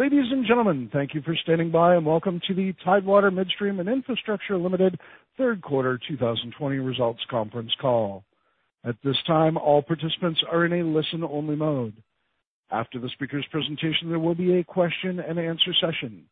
Ladies and gentlemen, thank you for standing by and welcome to the Tidewater Midstream and Infrastructure Limited third quarter 2020 results conference call. At this time, all participants are in a listen-only mode. After the speaker's presentation, there will be a question and answer session.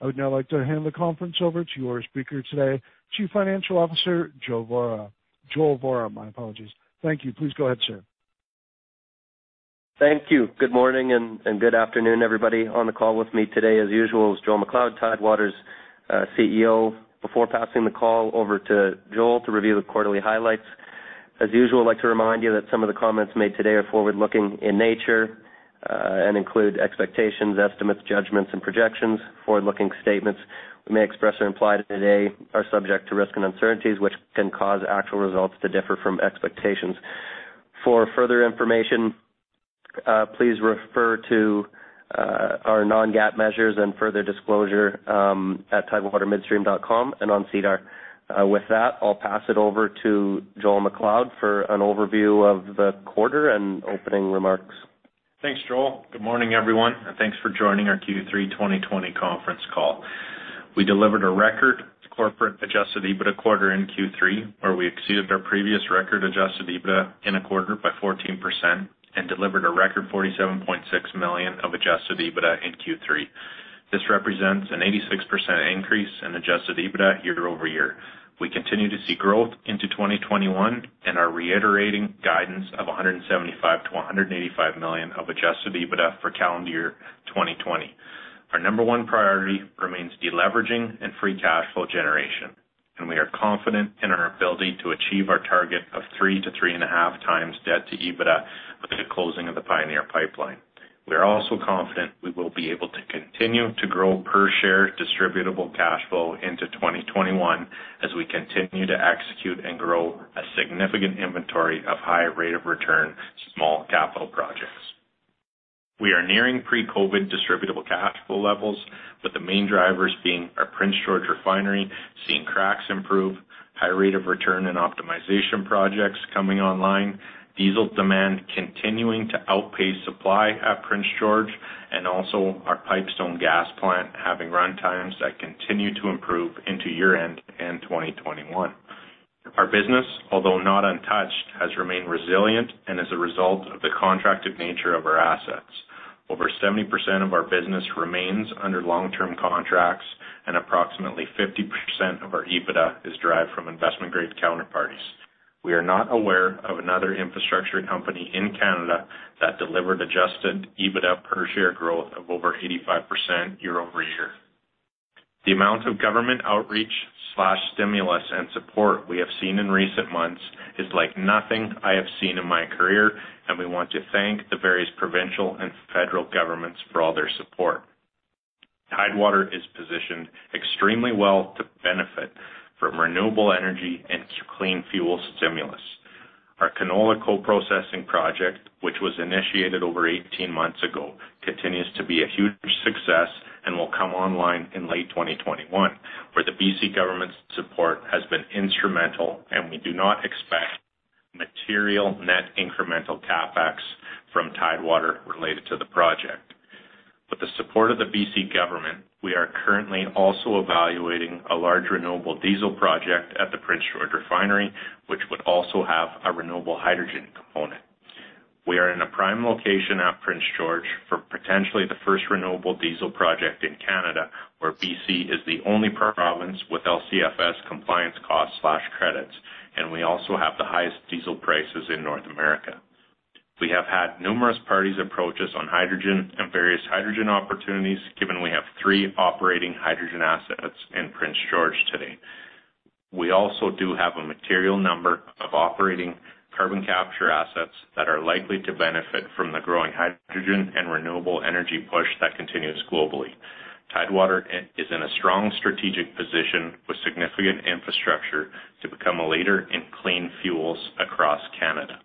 I would now like to hand the conference over to our speaker today, Chief Financial Officer, Joel Vorra. Joel Vorra, my apologies. Thank you. Please go ahead, sir. Thank you. Good morning and good afternoon, everybody. On the call with me today, as usual, is Joel MacLeod, Tidewater's CEO. Before passing the call over to Joel to review the quarterly highlights, as usual, I'd like to remind you that some of the comments made today are forward-looking in nature, and include expectations, estimates, judgments, and projections. Forward-looking statements we may express or imply today are subject to risks and uncertainties, which can cause actual results to differ from expectations. For further information, please refer to our non-GAAP measures and further disclosure at tidewatermidstream.com and on SEDAR. With that, I'll pass it over to Joel MacLeod for an overview of the quarter and opening remarks. Thanks, Joel. Good morning, everyone, and thanks for joining our Q3 2020 conference call. We delivered a record corporate adjusted EBITDA quarter in Q3, where we exceeded our previous record adjusted EBITDA in a quarter by 14% and delivered a record 47.6 million of adjusted EBITDA in Q3. This represents an 86% increase in adjusted EBITDA year-over-year. We continue to see growth into 2021 and are reiterating guidance of 175 million-185 million of adjusted EBITDA for calendar year 2020. Our number one priority remains de-leveraging and free cash flow generation, and we are confident in our ability to achieve our target of three to three and a half times debt to EBITDA with the closing of the Pioneer Pipeline. We are also confident we will be able to continue to grow per share distributable cash flow into 2021 as we continue to execute and grow a significant inventory of high rate of return small capital projects. We are nearing pre-COVID distributable cash flow levels with the main drivers being our Prince George Refinery seeing cracks improve, high rate of return and optimization projects coming online, diesel demand continuing to outpace supply at Prince George Refinery, and also our Pipestone gas plant having runtimes that continue to improve into year-end in 2021. Our business, although not untouched, has remained resilient and as a result of the contracted nature of our assets. Over 70% of our business remains under long-term contracts. Approximately 50% of our EBITDA is derived from investment-grade counterparties. We are not aware of another infrastructure company in Canada that delivered adjusted EBITDA per share growth of over 85% year-over-year. The amount of government outreach/stimulus and support we have seen in recent months is like nothing I have seen in my career, and we want to thank the various provincial and federal governments for all their support. Tidewater is positioned extremely well to benefit from renewable energy and clean fuel stimulus. Our canola co-processing project, which was initiated over 18 months ago, continues to be a huge success and will come online in late 2021, where the BC government's support has been instrumental and we do not expect material net incremental CapEx from Tidewater related to the project. With the support of the B.C. government, we are currently also evaluating a large renewable diesel project at the Prince George Refinery, which would also have a renewable hydrogen component. We are in a prime location at Prince George Refinery for potentially the first renewable diesel project in Canada, where B.C. is the only province with LCFS compliance cost/credits, and we also have the highest diesel prices in North America. We have had numerous parties approach us on hydrogen and various hydrogen opportunities, given we have three operating hydrogen assets in Prince George Refinery today. We also do have a material number of operating carbon capture assets that are likely to benefit from the growing hydrogen and renewable energy push that continues globally. Tidewater is in a strong strategic position with significant infrastructure to become a leader in clean fuels across Canada.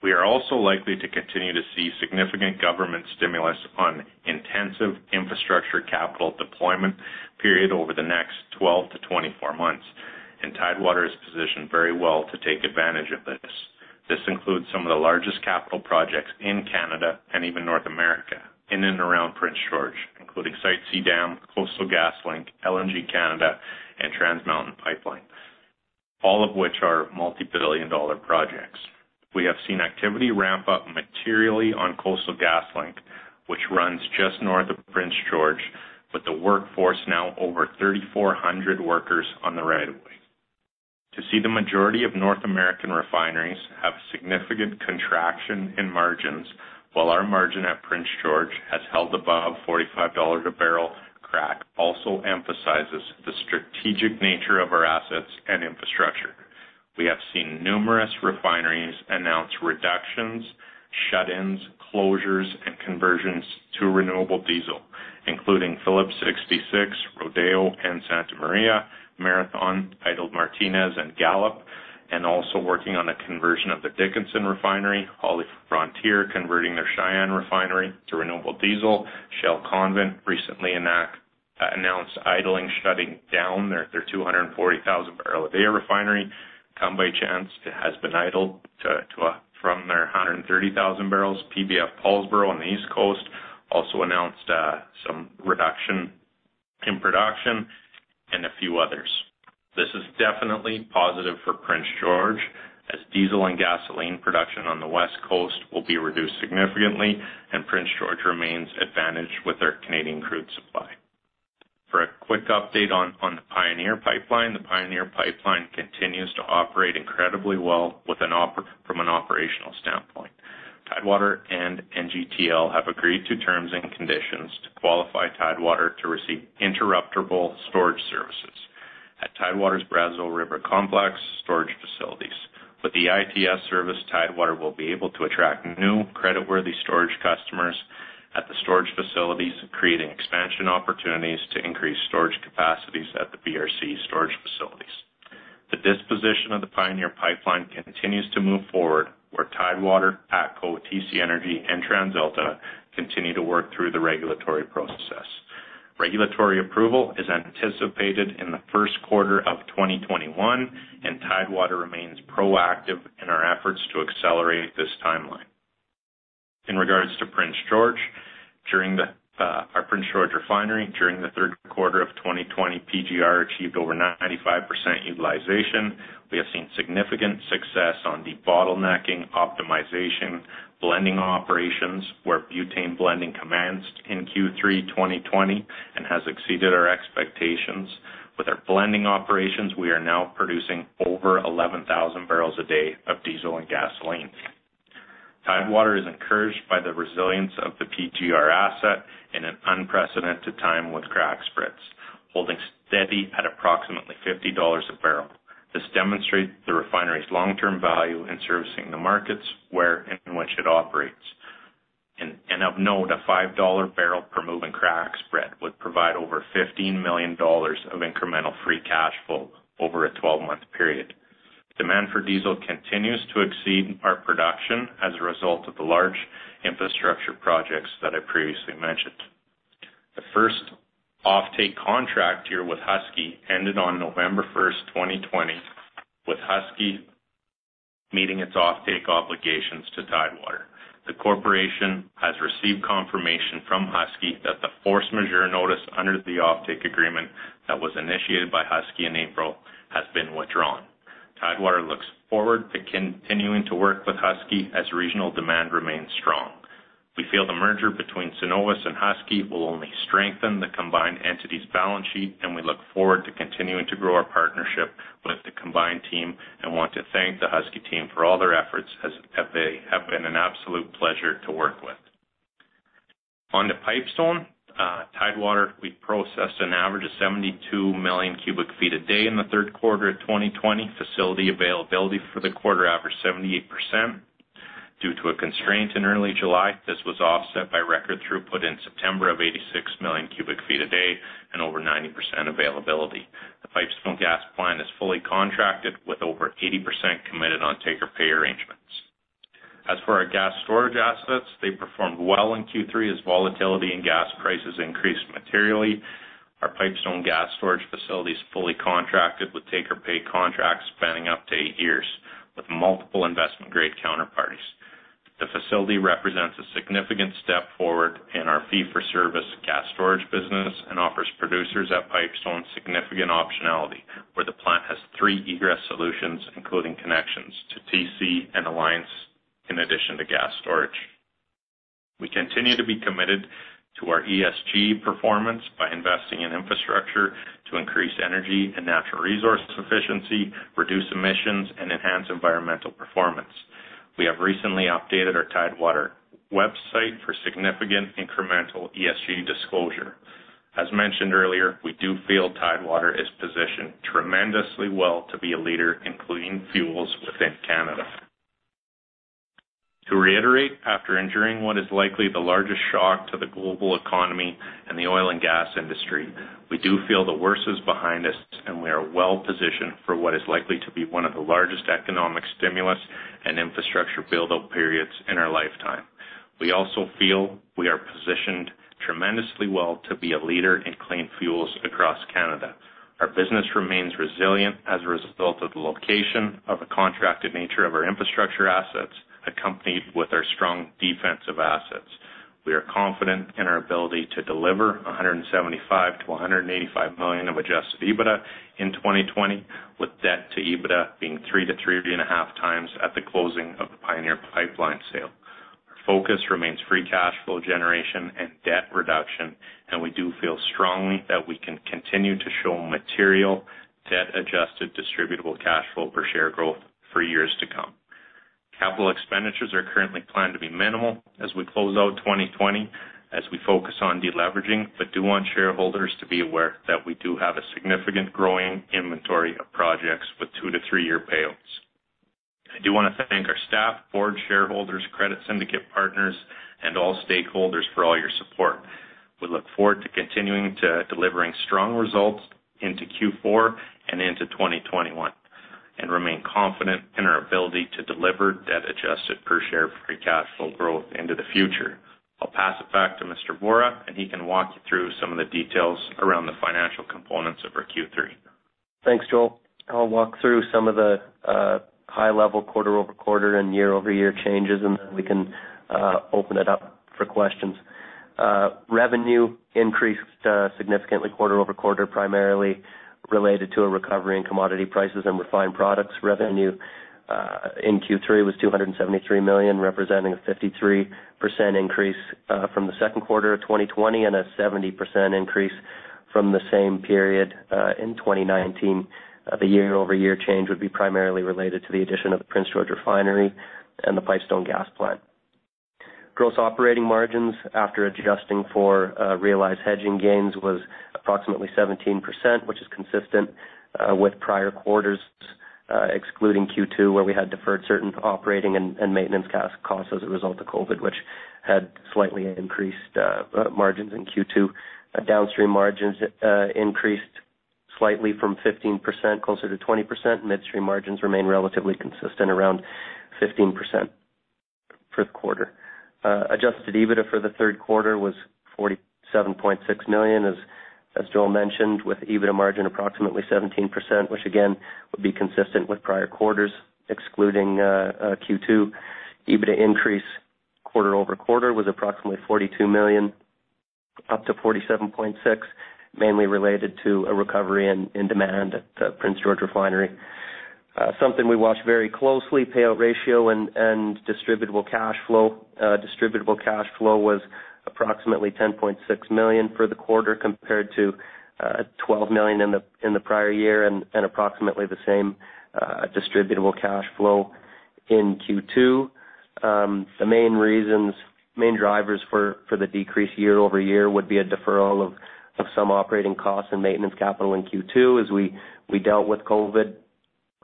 We are also likely to continue to see significant government stimulus on intensive infrastructure capital deployment period over the next 12-24 months. Tidewater is positioned very well to take advantage of this. This includes some of the largest capital projects in Canada and even North America in and around Prince George, including Site C Dam, Coastal GasLink, LNG Canada, and Trans Mountain Pipeline, all of which are multi-billion CAD projects. We have seen activity ramp up materially on Coastal GasLink pipeline, which runs just north of Prince George Refinery, with the workforce now over 3,400 workers on the right of way. To see the majority of North American refineries have significant contraction in margins, while our margin at Prince George has held above 45 dollars a barrel crack also emphasizes the strategic nature of our assets and infrastructure. We have seen numerous refineries announce reductions, shut-ins, closures, and conversions to renewable diesel, including Phillips 66, Rodeo and Santa Maria, Marathon, idled Martinez, HollyFrontier also working on a conversion of the Dickinson refinery, and HollyFrontier converting their Cheyenne refinery to renewable diesel. Shell Convent recently announced idling, shutting down their 240,000 barrel a day refinery. Come By Chance has been idled from their 130,000 barrels. PBF Paulsboro on the East Coast also announced some reduction in production, and a few others. This is definitely positive for Prince George, as diesel and gasoline production on the West Coast will be reduced significantly, and Prince George pipeline remains advantaged with their Canadian crude supply. For a quick update on the Pioneer Pipeline, the Pioneer Pipeline continues to operate incredibly well from an operational standpoint. Tidewater and NGTL have agreed to terms and conditions to qualify Tidewater to receive interruptible storage services at Tidewater's Brazeau River Complex storage facilities. With the ITS service, Tidewater will be able to attract new credit-worthy storage customers at the storage facilities, creating expansion opportunities to increase storage capacities at the BRC storage facilities. The disposition of the Pioneer Pipeline continues to move forward where Tidewater, ATCO, TC Energy and TransAlta continue to work through the regulatory process. Regulatory approval is anticipated in the first quarter of 2021, and Tidewater remains proactive in our efforts to accelerate this timeline. In regards to our Prince George Refinery, during the third quarter of 2020, PGR achieved over 95% utilization. We have seen significant success on debottlenecking optimization blending operations, where butane blending commenced in Q3 2020 and has exceeded our expectations. With our blending operations, we are now producing over 11,000 barrels a day of diesel and gasoline. Tidewater is encouraged by the resilience of the PGR asset in an unprecedented time with crack spreads, holding steady at approximately 50 dollars a barrel. This demonstrates the refinery's long-term value in servicing the markets where and in which it operates. Of note, a 5 dollar barrel per move in crack spread would provide over 15 million dollars of incremental free cash flow over a 12-month period. Demand for diesel continues to exceed our production as a result of the large infrastructure projects that I previously mentioned. The first offtake contract here with Husky Energy ended on November 1st, 2020, with Husky meeting its offtake obligations to Tidewater. The corporation has received confirmation from Husky that the force majeure notice under the offtake agreement that was initiated by Husky in April has been withdrawn. Tidewater looks forward to continuing to work with Husky Energy as regional demand remains strong. We feel the merger between Cenovus Energy and Husky Energy will only strengthen the combined entity's balance sheet, and we look forward to continuing to grow our partnership with the combined team and want to thank the Husky Energy team for all their efforts as they have been an absolute pleasure to work with. On to Pipestone. Tidewater, we processed an average of 72 million cubic feet a day in the third quarter of 2020. Facility availability for the quarter averaged 78%. Due to a constraint in early July, this was offset by record throughput in September of 86 million cubic feet a day and over 90% availability. The Pipestone gas plant is fully contracted with over 80% committed on take-or-pay arrangements. As for our gas storage assets, they performed well in Q3 as volatility and gas prices increased materially. Our Pipestone gas storage facility is fully contracted with take-or-pay contracts spanning up to eight years with multiple investment-grade counterparties. The facility represents a significant step forward in our fee-for-service gas storage business and offers producers at Pipestone significant optionality, where the plant has three egress solutions, including connections to TC and Alliance, in addition to gas storage. We continue to be committed to our ESG performance by investing in infrastructure to increase energy and natural resource efficiency, reduce emissions, and enhance environmental performance. We have recently updated our Tidewater website for significant incremental ESG disclosure. As mentioned earlier, we do feel Tidewater is positioned tremendously well to be a leader in clean fuels within Canada. To reiterate, after enduring what is likely the largest shock to the global economy and the oil and gas industry, we do feel the worst is behind us, and we are well-positioned for what is likely to be one of the largest economic stimulus and infrastructure build-out periods in our lifetime. We also feel we are positioned tremendously well to be a leader in clean fuels across Canada. Our business remains resilient as a result of the location of the contracted nature of our infrastructure assets, accompanied with our strong defensive assets. We are confident in our ability to deliver 175 million-185 million of adjusted EBITDA in 2020, with debt to EBITDA being 3x-3.5x at the closing of the Pioneer Pipeline sale. Our focus remains free cash flow generation and debt reduction. We do feel strongly that we can continue to show material debt-adjusted distributable cash flow per share growth for years to come. Capital expenditures are currently planned to be minimal as we close out 2020 as we focus on de-leveraging, but do want shareholders to be aware that we do have a significant growing inventory of projects with two to three-year payouts. I do want to thank board, shareholders, credit syndicate partners, and all stakeholders for all your support. We look forward to continuing to delivering strong results into Q4 and into 2021, and remain confident in our ability to deliver debt-adjusted per share free cash flow growth into the future. I'll pass it back to Mr. Vorra, and he can walk you through some of the details around the financial components of our Q3. Thanks, Joel. I'll walk through some of the high-level quarter-over-quarter and year-over-year changes, then we can open it up for questions. Revenue increased significantly quarter-over-quarter, primarily related to a recovery in commodity prices and refined products. Revenue in Q3 was 273 million, representing a 53% increase from the second quarter of 2020, a 70% increase from the same period in 2019. The year-over-year change would be primarily related to the addition of the Prince George Refinery and the Pipestone gas plant. Gross operating margins after adjusting for realized hedging gains was approximately 17%, which is consistent with prior quarters, excluding Q2, where we had deferred certain operating and maintenance costs as a result of COVID, which had slightly increased margins in Q2. Downstream margins increased slightly from 15% closer to 20%. Midstream margins remain relatively consistent, around 15% for the quarter. Adjusted EBITDA for the third quarter was 47.6 million, as Joel mentioned, with EBITDA margin approximately 17%, which again, would be consistent with prior quarters, excluding Q2. EBITDA increase quarter-over-quarter was approximately 42 million, up to 47.6, mainly related to a recovery in demand at the Prince George Refinery. Something we watch very closely, payout ratio and distributable cash flow. Distributable cash flow was approximately 10.6 million for the quarter compared to 12 million in the prior year and approximately the same distributable cash flow in Q2. The main drivers for the decrease year-over-year would be a deferral of some operating costs and maintenance capital in Q2 as we dealt with COVID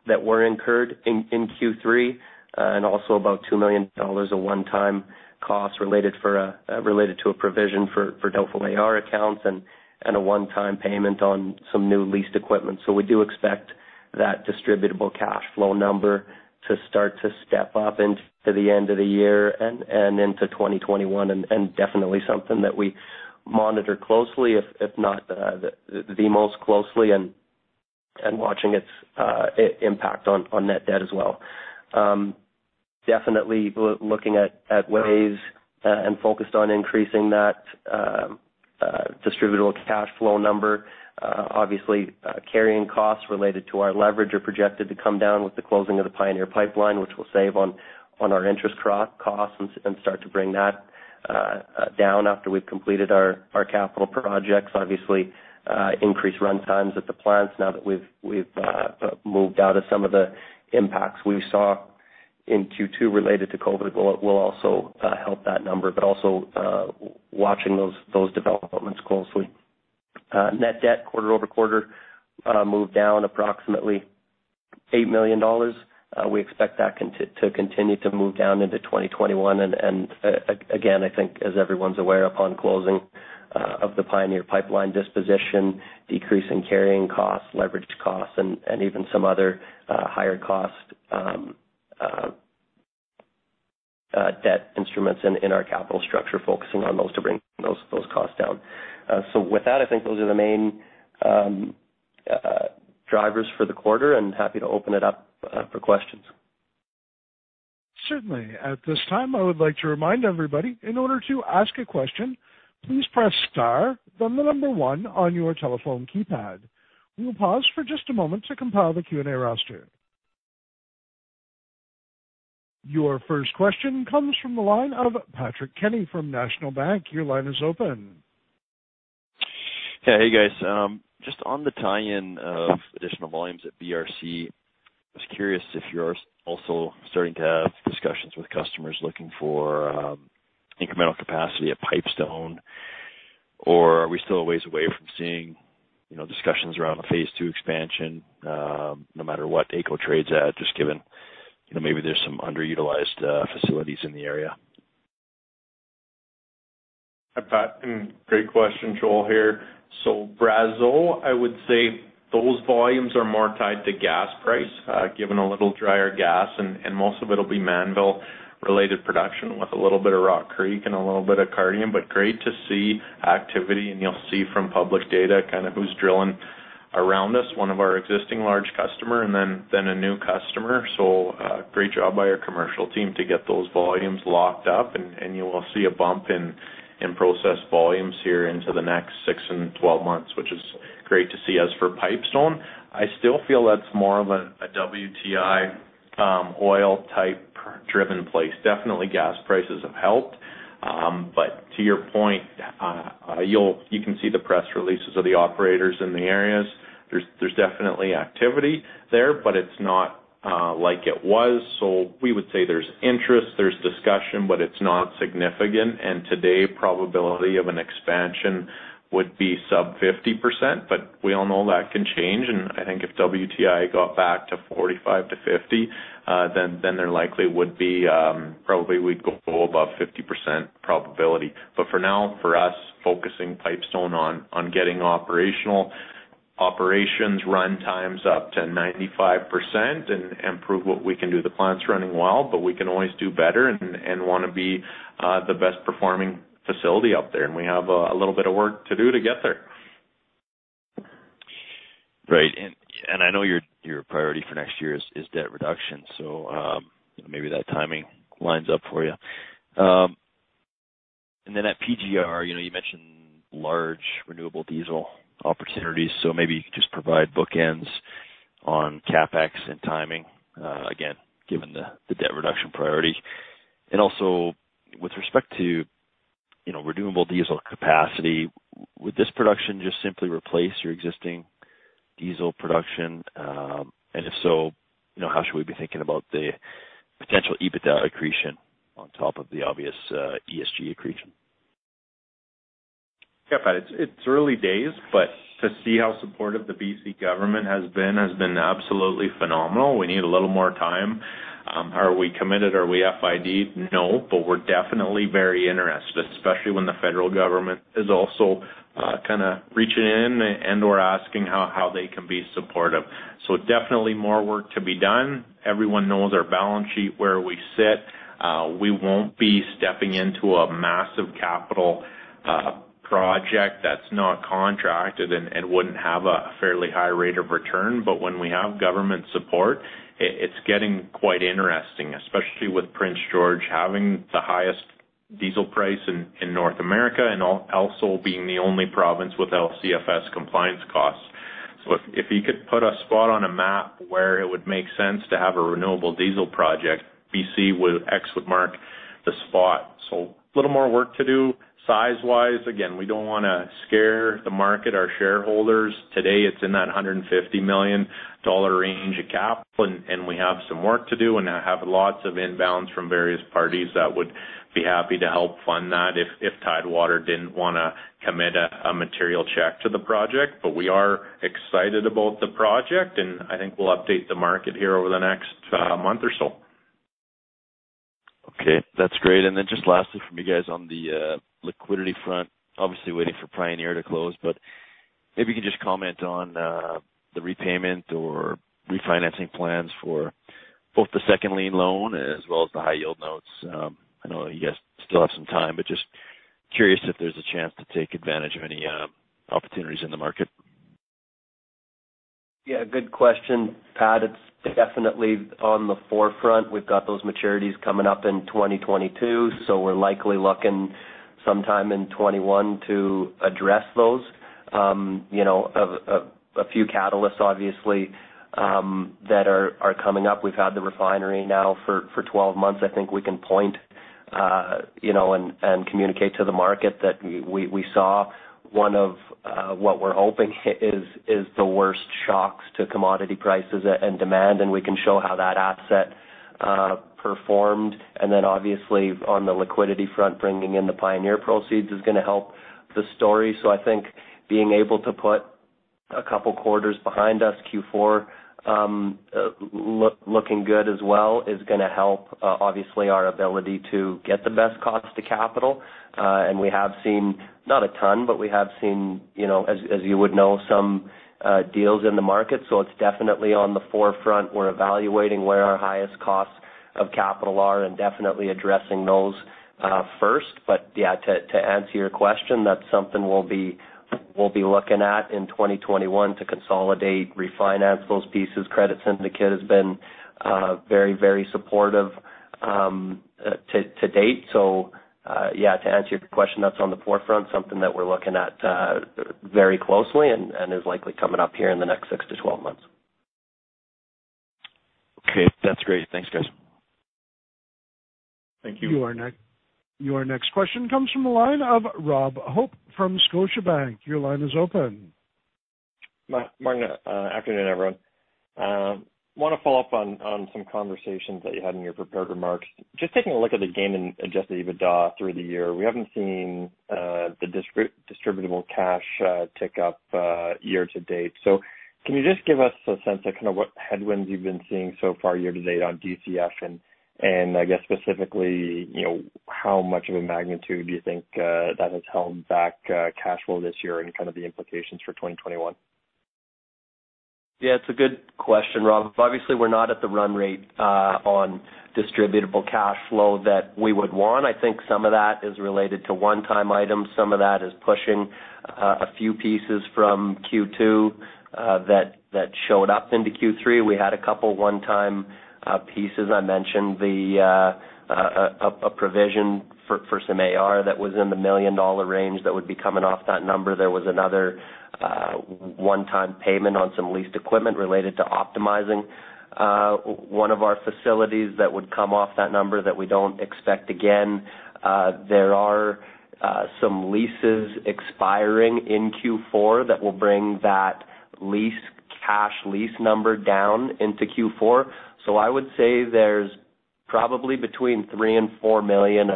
that were incurred in Q3, and also about CAD 2 million of one-time costs related to a provision for doubtful AR accounts and a one-time payment on some new leased equipment. We do expect that distributable cash flow number to start to step up into the end of the year and into 2021, and definitely something that we monitor closely, if not the most closely, and watching its impact on net debt as well. Definitely looking at ways and focused on increasing that distributable cash flow number. Carrying costs related to our leverage are projected to come down with the closing of the Pioneer Pipeline, which will save on our interest costs and start to bring that down after we've completed our capital projects. Increased run times at the plants now that we've moved out of some of the impacts we saw in Q2 related to COVID will also help that number, but also watching those developments closely. Net debt quarter-over-quarter moved down approximately 8 million dollars. We expect that to continue to move down into 2021. Again, I think as everyone's aware, upon closing of the Pioneer Pipeline disposition, decrease in carrying costs, leverage costs, and even some other higher cost debt instruments in our capital structure, focusing on those to bring those costs down. With that, I think those are the main drivers for the quarter, and happy to open it up for questions. Certainly. At this time, I would like to remind everybody, in order to ask a question, please press star, then the number one on your telephone keypad. We will pause for just a moment to compile the Q&A roster. Your first question comes from the line of Patrick Kenny from National Bank. Your line is open. Hey, guys. Just on the tie-in of additional volumes at BRC, I was curious if you're also starting to have discussions with customers looking for incremental capacity at Pipestone, or are we still a ways away from seeing discussions around the phase II expansion no matter what AECO trades at, just given maybe there's some underutilized facilities in the area? Hi, Patrick, and great question. Joel here. Brazeau, I would say those volumes are more tied to gas price, given a little drier gas, and most of it'll be Mannville-related production with a little bit of Rock Creek and a little bit of Cardium. Great to see activity, and you'll see from public data who's drilling around us, one of our existing large customer and then a new customer. Great job by our commercial team to get those volumes locked up. You will see a bump in processed volumes here into the next six and 12 months, which is great to see. As for Pipestone, I still feel that's more of a WTI oil type driven place. Definitely gas prices have helped. To your point, you can see the press releases of the operators in the areas. There's definitely activity there, but it's not like it was. We would say there's interest, there's discussion, but it's not significant. Today, probability of an expansion would be sub 50%, but we all know that can change. I think if WTI got back to 45-50, then probably we'd go above 50% probability. For now, for us, focusing Pipestone on getting operational operations run times up to 95% and improve what we can do. The plant's running well, but we can always do better and want to be the best performing facility out there, and we have a little bit of work to do to get there. Right. I know your priority for next year is debt reduction, so maybe that timing lines up for you. At PGR, you mentioned large renewable diesel opportunities, so maybe you could just provide bookends on CapEx and timing, again, given the debt reduction priority. Also, with respect to renewable diesel capacity, would this production just simply replace your existing diesel production? If so, how should we be thinking about the potential EBITDA accretion on top of the obvious ESG accretion? Pat, it's early days, but to see how supportive the B.C. government has been, has been absolutely phenomenal. We need a little more time. Are we committed? Are we FID'd? No, we're definitely very interested, especially when the federal government is also kind of reaching in and/or asking how they can be supportive. Definitely more work to be done. Everyone knows our balance sheet, where we sit. We won't be stepping into a massive capital project that's not contracted and wouldn't have a fairly high rate of return. When we have government support, it's getting quite interesting, especially with Prince George Refinery having the highest diesel price in North America, and also being the only province without LCFS compliance costs. If you could put a spot on a map where it would make sense to have a renewable diesel project, BC, X would mark the spot. A little more work to do. Size-wise, again, we don't want to scare the market, our shareholders. Today, it's in that 150 million dollar range of capital, and we have some work to do, and I have lots of inbounds from various parties that would be happy to help fund that if Tidewater didn't want to commit a material check to the project. We are excited about the project, and I think we'll update the market here over the next month or so. Okay, that's great. Just lastly from you guys on the liquidity front, obviously waiting for Pioneer to close, but maybe you can just comment on the repayment or refinancing plans for both the second lien loan as well as the high-yield notes. I know you guys still have some time, just curious if there's a chance to take advantage of any opportunities in the market. Good question, Patrick. It's definitely on the forefront. We've got those maturities coming up in 2022, so we're likely looking sometime in 2021 to address those. A few catalysts, obviously, that are coming up. We've had the refinery now for 12 months. I think we can point and communicate to the market that we saw one of what we're hoping is the worst shocks to commodity prices and demand, and we can show how that asset performed. Obviously, on the liquidity front, bringing in the Pioneer proceeds is going to help the story. I think being able to put a couple quarters behind us, Q4 looking good as well, is going to help, obviously, our ability to get the best cost to capital. We have seen, not a ton, but we have seen, as you would know, some deals in the market, it's definitely on the forefront. We're evaluating where our highest costs of capital are and definitely addressing those first. Yeah, to answer your question, that's something we'll be looking at in 2021 to consolidate, refinance those pieces. Credit syndicate has been very supportive to date. Yeah, to answer your question, that's on the forefront, something that we're looking at very closely and is likely coming up here in the next six to 12 months. Okay, that's great. Thanks, guys. Thank you. Your next question comes from the line of Robert Hope from Scotiabank. Your line is open. Morning, good afternoon, everyone. I want to follow up on some conversations that you had in your prepared remarks. Just taking a look at the gain and adjusted EBITDA through the year, we haven't seen the distributable cash tick up year to date. Can you just give us a sense of kind of what headwinds you've been seeing so far year to date on DCF and, I guess, specifically, how much of a magnitude do you think that has held back cash flow this year and kind of the implications for 2021? Yeah, it's a good question, Robert. Obviously, we're not at the run rate on distributable cash flow that we would want. I think some of that is related to one-time items. Some of that is pushing a few pieces from Q2 that showed up into Q3. We had a couple one-time pieces. I mentioned a provision for some AR that was in the million-dollar range that would be coming off that number. There was another one-time payment on some leased equipment related to optimizing one of our facilities that would come off that number that we don't expect again. There are some leases expiring in Q4 that will bring that cash lease number down into Q4. I would say there's probably between 3 million and 4 million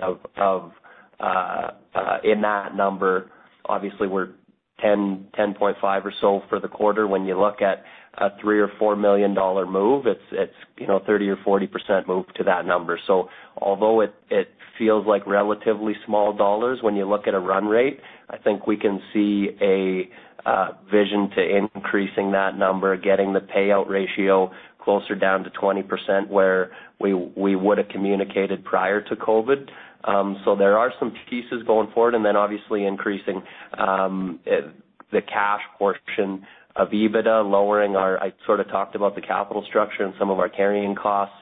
in that number. Obviously, we're 10.5 million or so for the quarter. When you look at a 3 million or 4 million dollar move, it's 30% or 40% move to that number. Although it feels like relatively small dollars, when you look at a run rate, I think we can see a vision to increasing that number, getting the payout ratio closer down to 20%, where we would've communicated prior to COVID. There are some pieces going forward, and then obviously increasing the cash portion of EBITDA, lowering our I sort of talked about the capital structure and some of our carrying costs.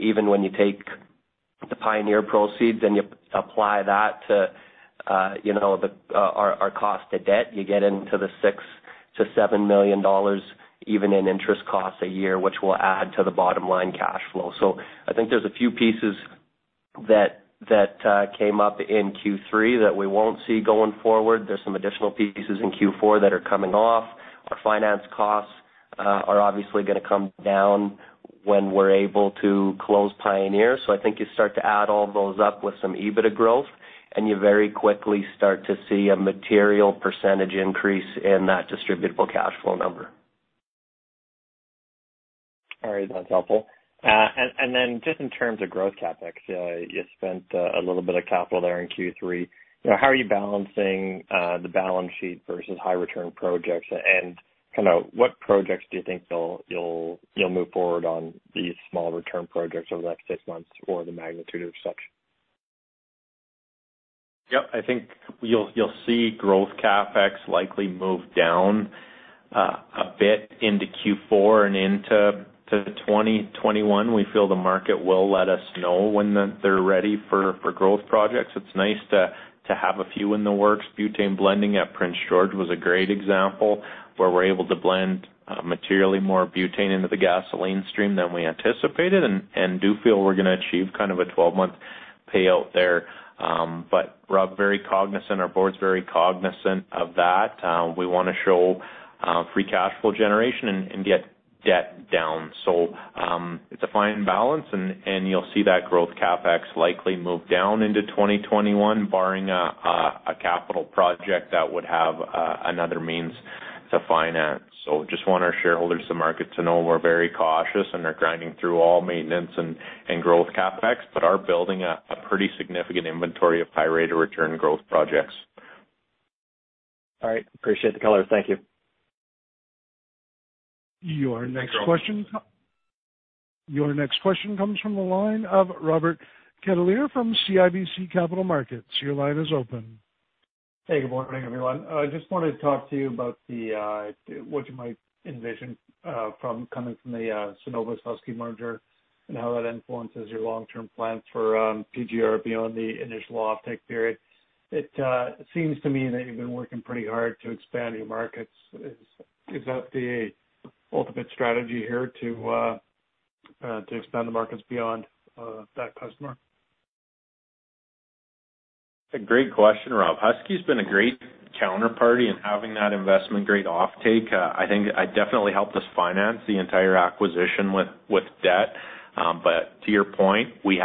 Even when you take the Pioneer proceeds and you apply that to our cost to debt, you get into the 6 million-7 million dollars, even in interest costs a year, which will add to the bottom-line cash flow. I think there's a few pieces that came up in Q3 that we won't see going forward. There's some additional pieces in Q4 that are coming off. Our finance costs are obviously going to come down when we're able to close Pioneer. I think you start to add all those up with some EBITDA growth, and you very quickly start to see a material percentage increase in that distributable cash flow number. All right. That's helpful. Just in terms of growth CapEx, you spent a little bit of capital there in Q3. How are you balancing the balance sheet versus high-return projects, and what projects do you think you'll move forward on these small return projects over the next six months or the magnitude of such? Yep. I think you'll see growth CapEx likely move down a bit into Q4 and into 2021. We feel the market will let us know when they're ready for growth projects. It's nice to have a few in the works. Butane blending at Prince George Refinery was a great example, where we're able to blend materially more butane into the gasoline stream than we anticipated and do feel we're going to achieve kind of a 12-month payout there. We're very cognizant, our board's very cognizant of that. We want to show free cash flow generation and get debt down. It's a fine balance, and you'll see that growth CapEx likely move down into 2021, barring a capital project that would have another means to finance. Just want our shareholders and market to know we're very cautious and are grinding through all maintenance and growth CapEx, but are building a pretty significant inventory of high rate of return growth projects. All right. Appreciate the color. Thank you. Your next question comes from the line of Robert Catellier from CIBC Capital Markets. Your line is open. Hey, good morning, everyone. I just wanted to talk to you about what you might envision coming from the Cenovus and Husky merger and how that influences your long-term plans for PGR beyond the initial offtake period. It seems to me that you've been working pretty hard to expand your markets. Is that the ultimate strategy here to expand the markets beyond that customer? It's a great question, Robert. Husky's been a great counterparty and having that investment, great offtake. I think it definitely helped us finance the entire acquisition with debt. To your point, with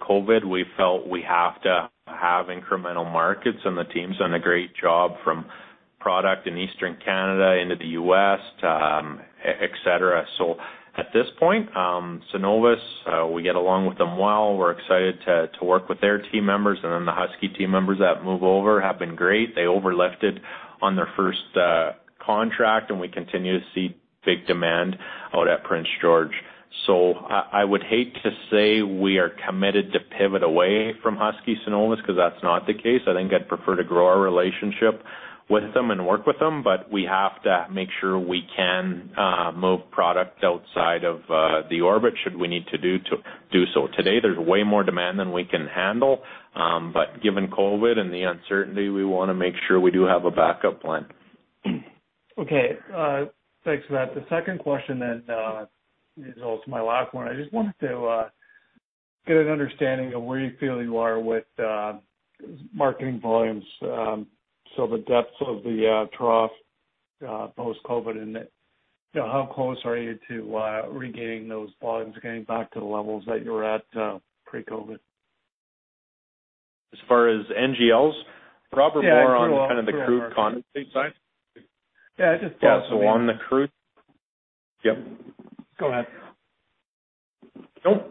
COVID, we felt we have to have incremental markets, and the team's done a great job from product in Eastern Canada into the U.S., et cetera. At this point, Cenovus, we get along with them well. We're excited to work with their team members. Then the Husky team members that move over have been great. They overlifted on their first contract, and we continue to see big demand out at Prince George Refinery. I would hate to say we are committed to pivot away from Husky Cenovus because that's not the case. I think I'd prefer to grow our relationship with them and work with them, but we have to make sure we can move product outside of the orbit should we need to do so. Today, there's way more demand than we can handle. Given COVID and the uncertainty, we want to make sure we do have a backup plan. Okay. Thanks for that. The second question is also my last one. I just wanted to get an understanding of where you feel you are with marketing volumes. The depths of the trough post-COVID, how close are you to regaining those volumes, getting back to the levels that you were at pre-COVID? As far as NGLs? Yeah. Probably more on kind of the crude condensate side. Yeah. On the crude. Yep. Go ahead. No.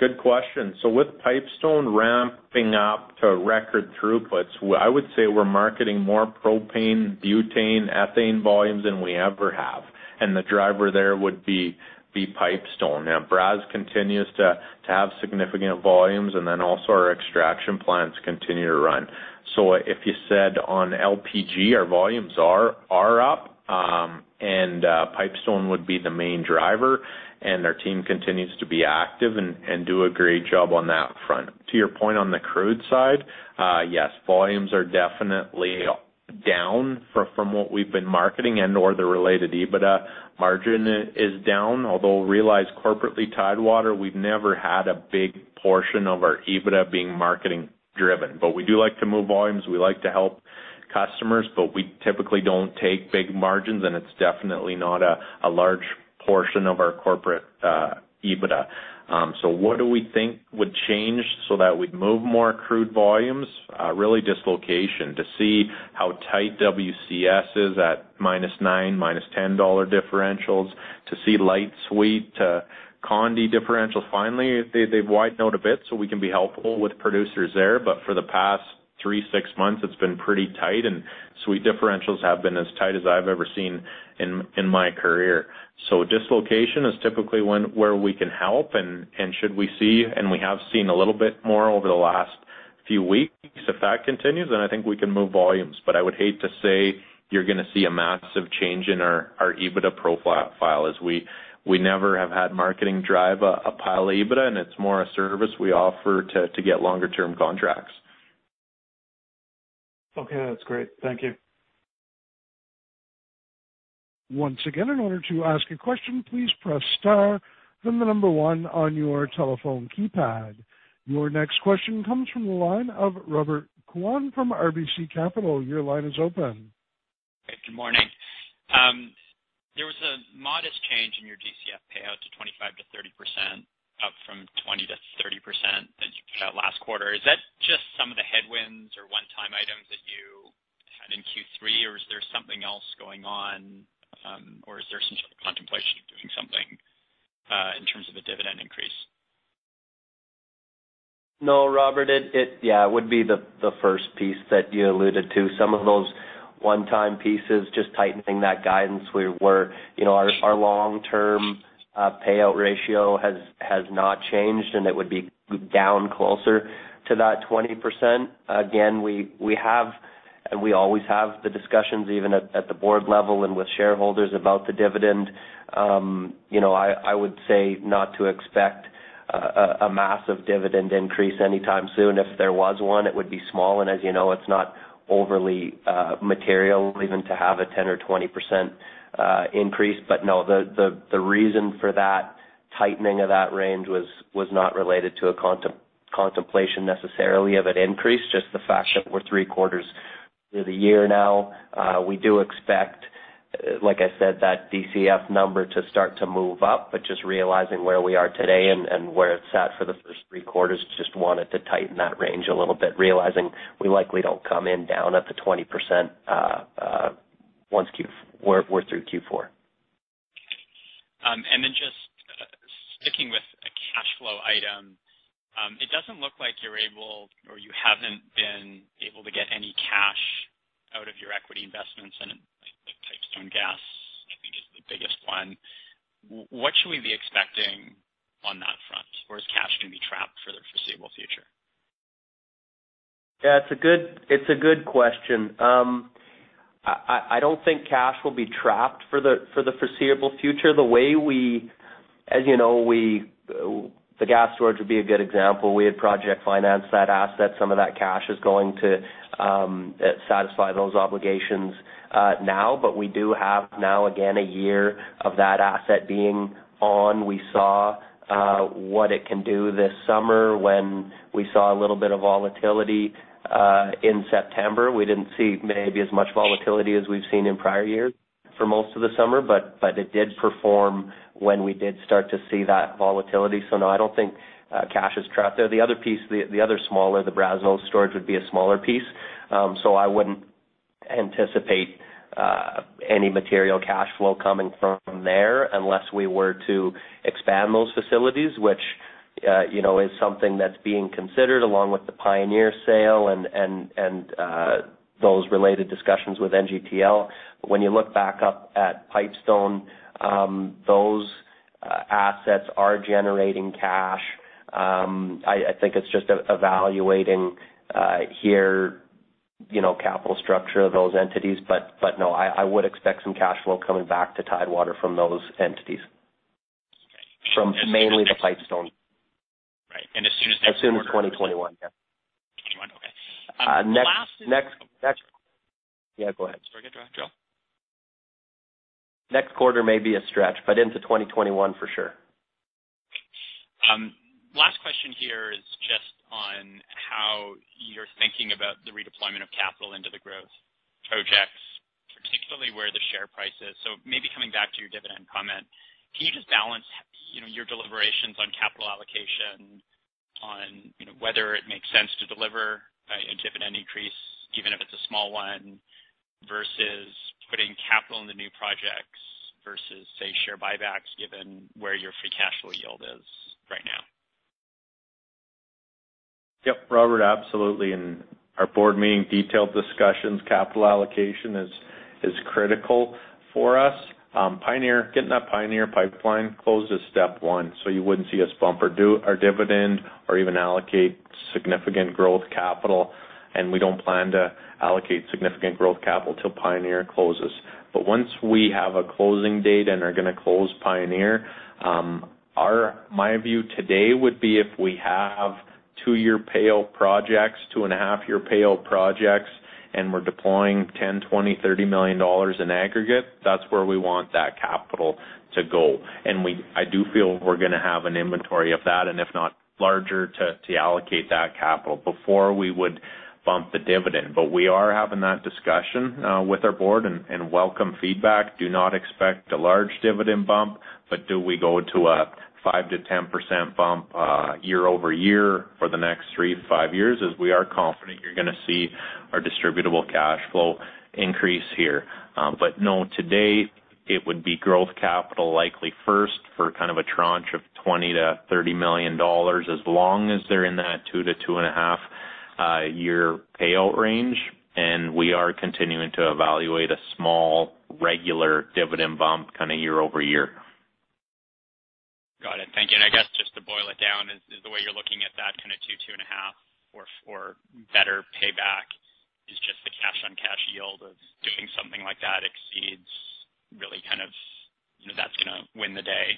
Good question. With Pipestone ramping up to record throughputs, I would say we're marketing more propane, butane, ethane volumes than we ever have. The driver there would be Pipestone. Brazeau continues to have significant volumes, and then also our extraction plants continue to run. If you said on LPG, our volumes are up, and Pipestone would be the main driver, and our team continues to be active and do a great job on that front. To your point on the crude side, yes, volumes are definitely down from what we've been marketing and/or the related EBITDA margin is down. Although realize corporately Tidewater, we've never had a big portion of our EBITDA being marketing driven. We do like to move volumes, we like to help customers, but we typically don't take big margins, and it's definitely not a large portion of our corporate EBITDA. What do we think would change so that we'd move more crude volumes? Really, dislocation, to see how tight WCS is at -9, -10 dollar differentials, to see light sweet to condy differentials. Finally, they've widened out a bit, so we can be helpful with producers there. For the past three, six months, it's been pretty tight, and sweet differentials have been as tight as I've ever seen in my career. Dislocation is typically where we can help, and should we see, and we have seen a little bit more over the last few weeks. If that continues, then I think we can move volumes. I would hate to say you're going to see a massive change in our EBITDA profile, as we never have had marketing drive a pile EBITDA, and it's more a service we offer to get longer term contracts. Okay. That's great. Thank you. Once again, in order to ask a question, please press star, then the number one on your telephone keypad. Your next question comes from the line of Robert Kwan from RBC Capital. Your line is open. Good morning. There was a modest change in your DCF payout to 25%-30%, up from 20%-30% that you put out last quarter. Is that just some of the headwinds or one-time items that you had in Q3, or is there something else going on? Is there some sort of contemplation of doing something, in terms of a dividend increase? Robert, it would be the first piece that you alluded to. Some of those one-time pieces, just tightening that guidance. Our long-term payout ratio has not changed. It would be down closer to that 20%. We have, we always have the discussions, even at the board level and with shareholders about the dividend. I would say not to expect a massive dividend increase anytime soon. If there was one, it would be small. As you know, it's not overly material even to have a 10% or 20% increase. The reason for that tightening of that range was not related to a contemplation necessarily of an increase, just the fact that we're three quarters through the year now. We do expect, like I said, that DCF number to start to move up, but just realizing where we are today and where it sat for the first three quarters, just wanted to tighten that range a little bit, realizing we likely don't come in down at the 20% once we're through Q4. Okay. Just sticking with a cash flow item, it doesn't look like you're able, or you haven't been able to get any cash out of your equity investments, and Pipestone Gas, I think is the biggest one. What should we be expecting on that front? Is cash going to be trapped for the foreseeable future? It's a good question. I don't think cash will be trapped for the foreseeable future. The gas storage would be a good example. We had project financed that asset. Some of that cash is going to satisfy those obligations now, but we do have now, again, a year of that asset being on. We saw what it can do this summer when we saw a little bit of volatility in September. We didn't see maybe as much volatility as we've seen in prior years for most of the summer, but it did perform when we did start to see that volatility. No, I don't think cash is trapped there. The other piece, the other smaller, the Brazeau storage would be a smaller piece. I wouldn't anticipate any material cash flow coming from there unless we were to expand those facilities, which is something that's being considered along with the Pioneer sale and those related discussions with NGTL. When you look back up at Pipestone, those assets are generating cash. I think it's just evaluating here capital structure of those entities. No, I would expect some cash flow coming back to Tidewater from those entities. Okay. From mainly the Pipestone. Right. As soon as next quarter? As soon as 2021, yeah. 2021, okay. Yeah, go ahead. Sorry, go ahead, Joel. Next quarter may be a stretch, but into 2021 for sure. Last question here is just on how you're thinking about the redeployment of capital into the growth projects, particularly where the share price is. Maybe coming back to your dividend comment, can you just balance your deliberations on capital allocation on whether it makes sense to deliver a dividend increase, even if it's a small one, versus putting capital in the new projects versus, say, share buybacks, given where your free cash flow yield is right now? Yep. Robert, absolutely. In our board meeting, detailed discussions, capital allocation is critical for us. Getting that Pioneer Pipeline closed is step one. You wouldn't see us bump our dividend or even allocate significant growth capital, and we don't plan to allocate significant growth capital till Pioneer closes. Once we have a closing date and are going to close Pioneer, my view today would be if we have two-year payout projects, two and a half year payout projects, and we're deploying 10 million, 20 million, 30 million dollars in aggregate. That's where we want that capital to go. I do feel we're going to have an inventory of that, and if not larger, to allocate that capital before we would bump the dividend. We are having that discussion with our board and welcome feedback. Do not expect a large dividend bump, do we go to a 5%-10% bump year-over-year for the next three to five years, as we are confident you're going to see our distributable cash flow increase here. No, to date, it would be growth capital likely first for kind of a tranche of 20 million-30 million dollars, as long as they're in that 2-2.5 year payout range. We are continuing to evaluate a small, regular dividend bump kind of year-over-year. Got it. Thank you. I guess just to boil it down, is the way you're looking at that kind of two and a half or better payback is just the cash-on-cash yield of doing something like that exceeds really that's going to win the day,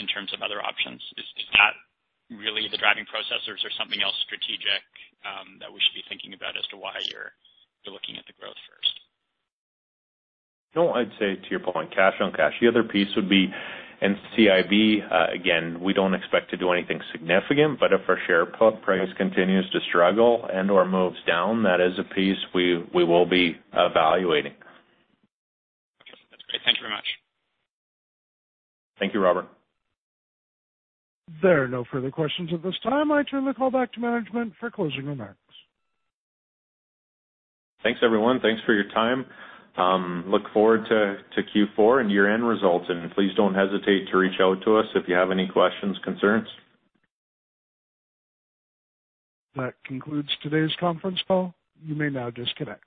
in terms of other options. Is that really the driving process or something else strategic that we should be thinking about as to why you're looking at the growth first? I'd say to your point, cash on cash. The other piece would be in NCIB. We don't expect to do anything significant, but if our share price continues to struggle and/or moves down, that is a piece we will be evaluating. Okay, that's great. Thank you very much. Thank you, Robert. There are no further questions at this time. I turn the call back to management for closing remarks. Thanks, everyone. Thanks for your time. Look forward to Q4 and year-end results. Please don't hesitate to reach out to us if you have any questions, concerns. That concludes today's conference call. You may now disconnect.